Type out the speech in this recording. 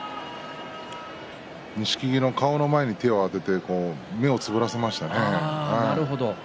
錦木の顔の前に手を当てて目をつぶらせましたね。